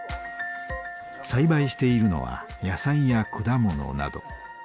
栽培しているのは野菜や果物など。